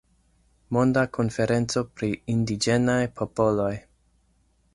Monda Konferenco pri Indiĝenaj Popoloj.